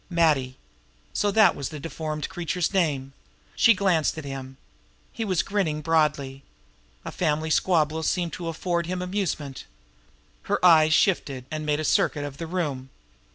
Matty! So that was the deformed creature's name. She glanced at him. He was grinning broadly. A family squabble seemed to afford him amusement. Her eyes shifted and made a circuit of the room.